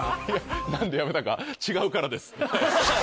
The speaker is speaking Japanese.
何でやめたか違うからですはい。